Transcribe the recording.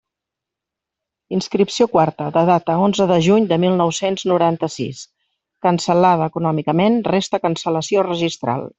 Inscripció quarta, de data onze de juny de mil nou-cents noranta-sis: cancel·lada econòmicament, resta cancel·lació registral.